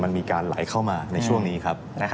มันมีการไหลเข้ามาในช่วงนี้ครับ